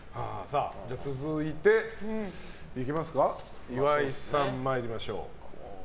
続いて、岩井さん参りましょう。